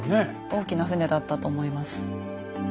大きな船だったと思います。